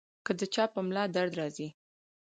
کۀ د چا پۀ ملا درد راځي -